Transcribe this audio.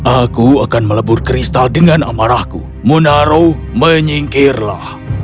aku akan melebur kristal dengan amarahku munaro menyingkirlah